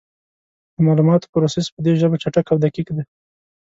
د معلوماتو پروسس په دې ژبه چټک او دقیق دی.